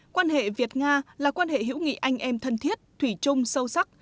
quan hệ việt nga là quan hệ hữu nghị anh em thân thiết thủy chung sâu sắc